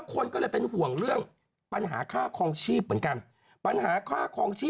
คนก็เลยเป็นห่วงเรื่องการปัญหาค่าคล้องชีพเหมือนกัน